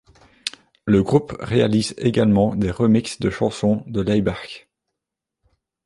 Le groupe réalise également des remixes de chanson de Laibach.